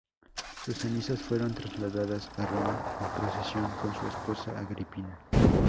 Sus cenizas fueron trasladadas a Roma en procesión por su esposa Agripina.